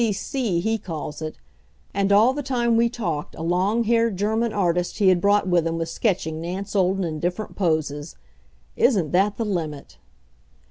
P. C. C., he calls it. And all the time we talked a long haired German artist he had brought with him was sketching Nance Olden in different poses. Isn't that the limit?